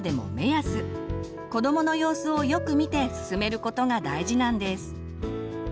子どもの様子をよく見て進めることが大事なんです。